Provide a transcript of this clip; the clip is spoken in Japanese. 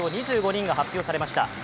２５人が発表されました。